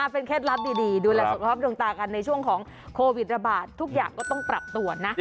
เป็นเคล็ดลับดีดูแลสุขภาพดวงตากันในช่วงของโควิดระบาดทุกอย่างก็ต้องปรับตัวนะ